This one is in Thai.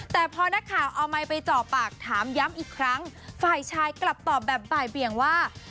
แต่พอนักข่าวเอาไมค์ไปเจาะปากถามย้ำอีกครั้งฝ่ายชายกลับตอบแบบบ่ายเบียงว่า